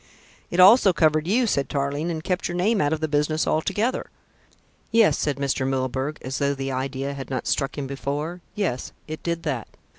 "It also covered you," said Tarling, "and kept your name out of the business altogether." "Yes," said Mr. Milburgh, as though the idea had not struck him before, "yes, it did that.